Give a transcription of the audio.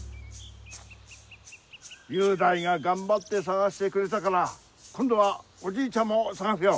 ⁉雄大ががんばってさがしてくれたからこんどはおじいちゃんもさがすよ！